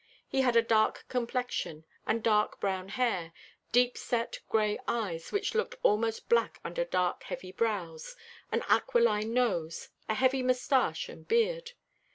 He had a dark complexion, and dark brown hair, deep set gray eyes, which looked almost black under dark heavy brows, an aquiline nose, a heavy moustache and beard.